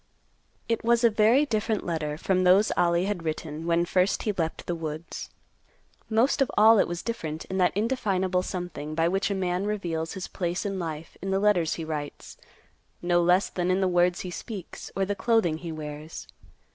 It was a very different letter from those Ollie had written when first he left the woods. Most of all it was different in that indefinable something by which a man reveals his place in life in the letters he writes, no less than in the words he speaks, or the clothing he wears.